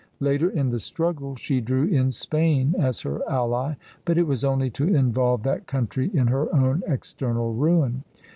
Later in the struggle she drew in Spain as her ally, but it was only to involve that country in her own external ruin.